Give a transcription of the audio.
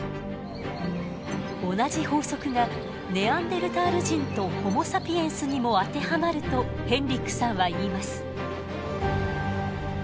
同じ法則がネアンデルタール人とホモ・サピエンスにも当てはまるとヘンリックさんは言います。